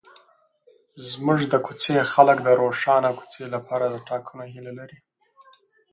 زموږ د کوڅې خلک د روښانه کوڅې لپاره د ټاکنو هیله لري.